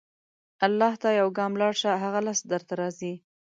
الله ته یو ګام لاړ شه، هغه لس درته راځي.